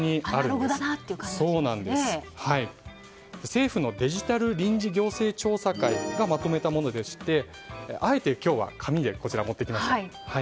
政府のデジタル臨時行政調査会がまとめたものでしてあえて今日は紙で持ってきました。